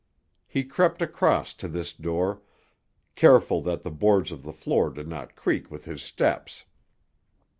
He crept across to this door, careful that the boards of the floor did not creak with his steps.